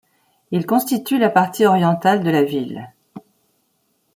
Il constitue la partie orientale de la ville.